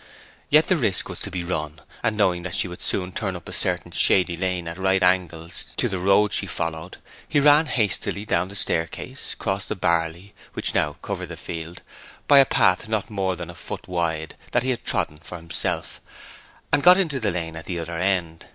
Yet the risk was to be run, and, knowing that she would soon turn up a certain shady lane at right angles to the road she had followed, he ran hastily down the staircase, crossed the barley (which now covered the field) by the path not more than a foot wide that he had trodden for himself, and got into the lane at the other end.